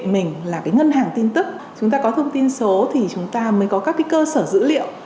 mình là cái ngân hàng tin tức chúng ta có thông tin số thì chúng ta mới có các cái cơ sở dữ liệu